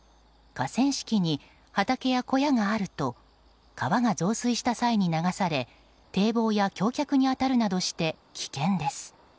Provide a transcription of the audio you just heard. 河川敷に畑や小屋があると川が増水した際に流され堤防や橋脚に当たるなどして危険です。